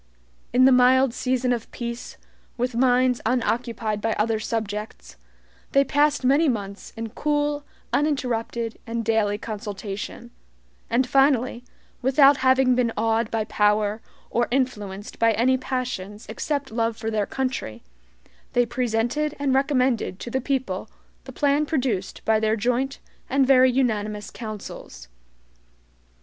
In the mild season of peace, with minds unoccupied by other subjects, they passed many months in cool, uninterrupted, and daily consultation; and finally, without having been awed by power, or influenced by any passions except love for their country, they presented and recommended to the people the plan produced by their joint and very unanimous councils.